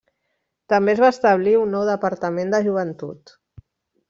També es va establir un nou departament de joventut.